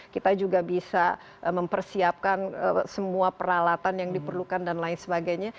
kita juga bisa mempersiapkan semua peralatan yang diperlukan dan lain sebagainya